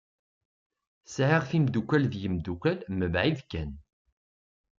Sɛiɣ timdukal d yimdukal mebɛid kan.